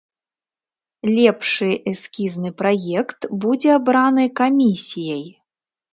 Лепшы эскізны праект будзе абраны камісіяй.